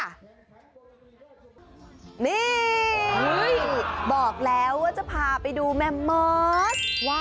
นี่บอกแล้วว่าจะพาไปดูแม่มอส